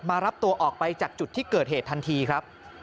รับตัวออกไปจากจุดที่เกิดเหตุทันทีครับ